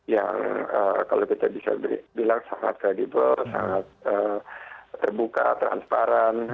yang kalau kita bisa bilang sangat kredibel sangat terbuka transparan